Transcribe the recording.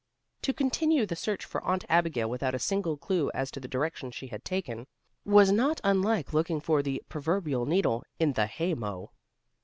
To continue the search for Aunt Abigail without a single clue as to the direction she had taken, was not unlike looking for the proverbial needle in the haymow.